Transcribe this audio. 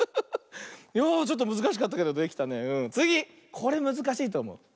これむずかしいとおもう。